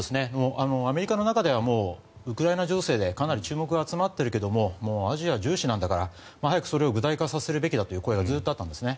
アメリカの中ではウクライナ情勢でかなり注目が集まっているけれどももうアジア重視なんだから早くそれを具体化させるべきだという声がずっとあったんですね。